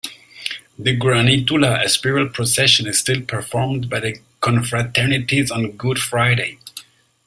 The granitula, a spiral procession, is still performed by the confraternities on Good Friday.